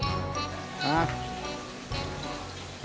ไอ้แยว